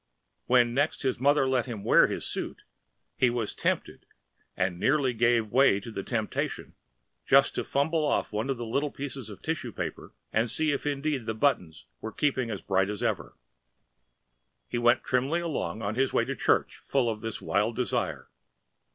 And when next his mother let him wear his suit, he was tempted and nearly gave way to the temptation just to fumble off one little bit of tissue paper and see if indeed the buttons were keeping as bright as ever. He went trimly along on his way to church full of this wild desire.